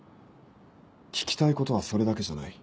聞きたいことはそれだけじゃない。